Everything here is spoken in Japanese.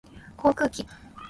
航空機